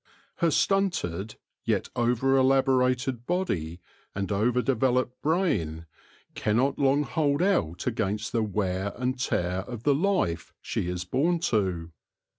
Her stunted, yet over elaborated body and over developed brain, cannot long hold out against the wear and tear of the life she is born to.